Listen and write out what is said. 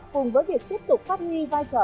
cùng với việc tiếp tục phát nghi vai trò